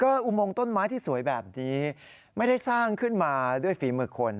อุโมงต้นไม้ที่สวยแบบนี้ไม่ได้สร้างขึ้นมาด้วยฝีมือคน